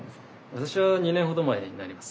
私は２年ほど前になります。